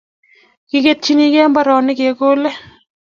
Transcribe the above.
Kiketchinigei mbarani kekole